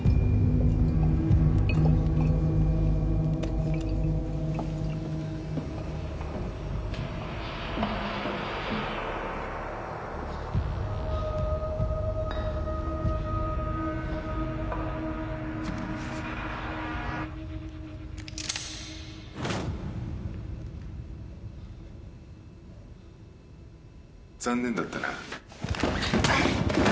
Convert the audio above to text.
・残念だったな。